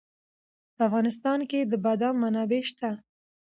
په افغانستان کې د بادام منابع شته.